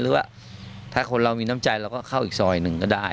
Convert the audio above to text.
หรือว่าถ้าคนเรามีน้ำใจเราก็เข้าอีกซอยหนึ่งก็ได้